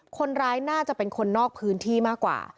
คนร้ายน่าจะเป็นคนนอกพื้นที่มากกว่า